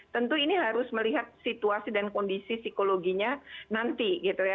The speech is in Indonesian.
tentu ini harus melihat situasi dan kondisi psikologinya nanti gitu ya